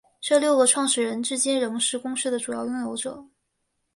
这六个创始人至今仍是公司的主要拥有者。